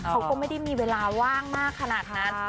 เขาก็ไม่ได้มีเวลาว่างมากขนาดนั้น